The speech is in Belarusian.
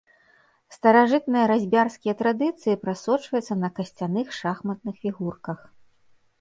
Старажытныя разьбярскія традыцыі прасочваюцца на касцяных шахматных фігурках.